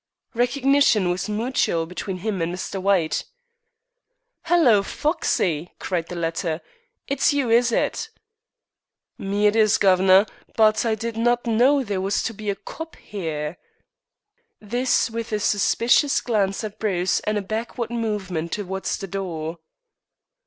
Recognition was mutual between him and Mr. White. "Hello, Foxey," cried the latter. "It's you, is it?" "Me it is, guv'nor; but I didn't know there was to be a 'cop' here" this with a suspicious glance at Bruce and a backward movement towards the door.